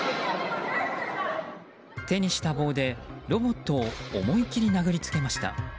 手にした棒で、ロボットを思い切り殴りつけました。